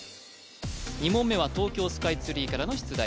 ２問目は東京スカイツリーからの出題